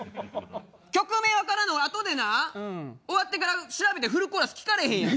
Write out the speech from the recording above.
曲名わからなあとでな終わってから調べてフルコーラス聴かれへんやん！